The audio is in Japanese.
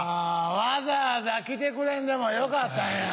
わざわざ来てくれんでもよかったやん。